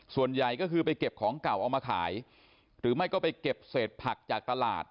ส่วนใหญ่ก็คือไปเก็บของเก่าเอามาขายหรือไม่ก็ไปเก็บเศษผักจากตลาด